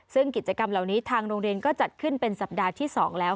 ซึ่งกิจกรรมเหล่านี้ทางโรงเรียนก็จัดขึ้นเป็นสัปดาห์ที่๒แล้ว